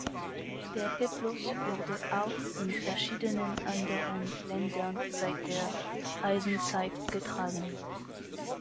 Der Peplos wurde auch in verschiedenen anderen Ländern seit der Eisenzeit getragen.